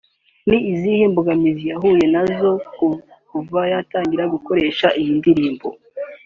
ni izihe mbogamizi yahuye na zo kuva yatangira gukora iyi ndirimbo